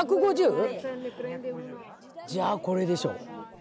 １５０？じゃあこれでしょ。